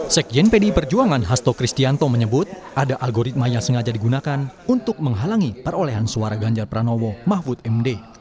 sekjen pdi perjuangan hasto kristianto menyebut ada algoritma yang sengaja digunakan untuk menghalangi perolehan suara ganjar pranowo mahfud md